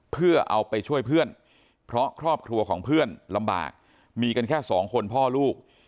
เพื่อเอาไปช่วยเพื่อนเพราะครอบครัวของเพื่อนลำบากมีกันแค่สองคนพ่อลูก